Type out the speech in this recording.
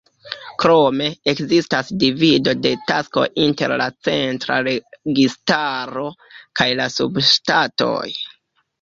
Krome, ekzistas divido de taskoj inter la centra registaro kaj la subŝtatoj.